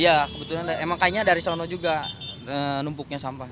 iya kebetulan emang kayaknya dari sana juga numpuknya sampah